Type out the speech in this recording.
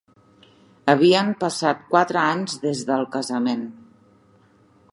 Havien passat quatre anys des de el casament